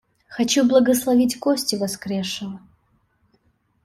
Хочу благословить кости воскресшего.